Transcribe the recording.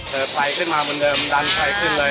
เขาใสขึ้นมามันเดิมดันไฟขึ้นเลย